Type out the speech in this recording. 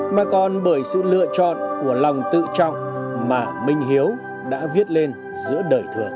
mà còn bởi sự lựa chọn của lòng tự trọng mà minh hiếu đã viết lên giữa đời thường